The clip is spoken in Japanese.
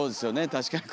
確かに。